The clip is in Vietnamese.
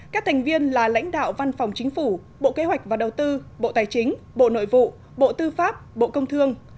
các thành viên là lãnh đạo văn phòng chính phủ bộ kế hoạch và đầu tư bộ tài chính bộ nội vụ bộ tư pháp bộ công thương